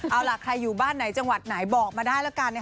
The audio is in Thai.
เอาล่ะใครอยู่บ้านไหนจังหวัดไหนบอกมาได้แล้วกัน